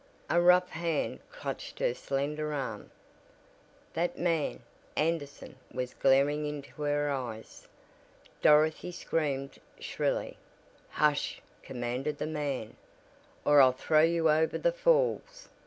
A rough hand clutched her slender arm! That man Anderson was glaring into her eyes! Dorothy screamed shrilly. "Hush!" commanded the man, "or I'll throw you over the falls!"